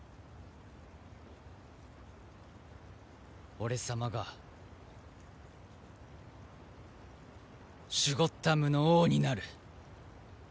俺様がシュゴッダムの王になる。